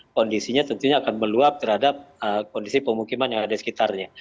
kondisinya tentunya akan meluap terhadap kondisi pemukiman yang ada di sekitarnya